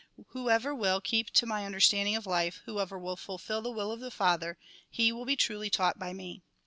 Whoever will keep to my understanding of life, whoever will fulfil the will of the Father, he will be truly taught by me.